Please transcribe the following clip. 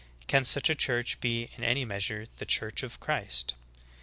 Can such a Church be in any measure the Church of Christ?